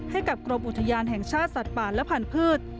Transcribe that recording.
ให้กับกรมอุทยานแห่งชาติสัตว์ป่าและพันธุ์